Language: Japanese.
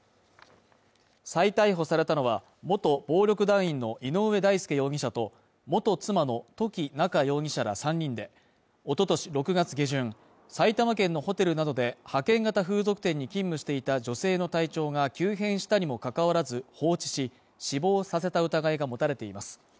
再逮捕されたのは、元暴力団員の井上大輔容疑者と元妻の土岐菜夏容疑者ら３人で、おととし６月下旬、埼玉県のホテルなどで派遣型風俗店に勤務していた女性の体調が急変したにもかかわらず放置し死亡させた疑いが持たれています。